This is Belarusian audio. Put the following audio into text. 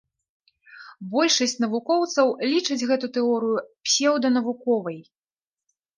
Большасць навукоўцаў лічаць гэту тэорыю псеўданавуковай.